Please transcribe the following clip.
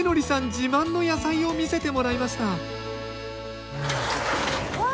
自慢の野菜を見せてもらいましたわうわあ！